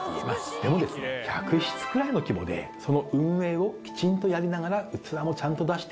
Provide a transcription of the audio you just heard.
でも１００室くらいの規模でその運営をきちんとやりながら器もちゃんと出している。